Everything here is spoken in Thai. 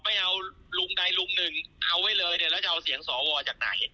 ไม่เอาลุงใดลุงหนึ่งเอาไว้เลยเนี่ยแล้วจะเอาเสียงสวจากไหน